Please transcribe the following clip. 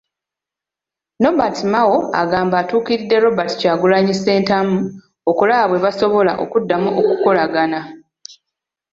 Nobert Mao agamba atuukiridde Robert Kyagulanyi Ssentamu okulaba bwe basobola okuddamu okukolagana.